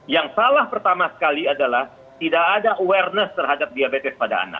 yang salah pertama sekali adalah tidak ada awareness terhadap diabetes pada anak